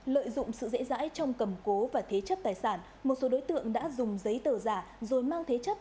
lợi dụng sự dễ dãi trong cầm cố và thế chấp tài sản một số đối tượng đã dùng giấy tờ giả rồi mang thế chấp